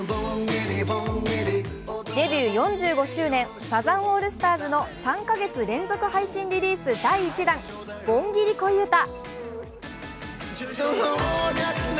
デビュー４５周年サザンオールスターズの３か月連続配信リリース第１弾「盆ギリ恋歌」。